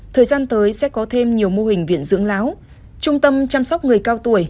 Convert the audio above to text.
thời gian tới sẽ có thêm nhiều mô hình viện dưỡng lão trung tâm chăm sóc người cao tuổi